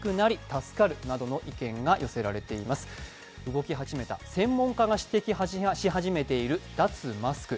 動き始めた専門家が指摘し始めている脱マスク。